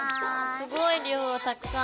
すごい量たくさん！